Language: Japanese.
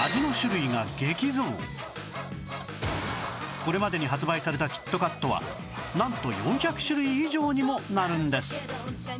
これまでに発売されたキットカットはなんと４００種類以上にもなるんです